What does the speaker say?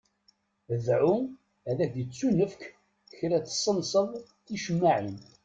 Dεu ad k-d-ittunefk kra tessenseḍ ticemmaεin.